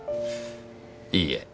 いいえ。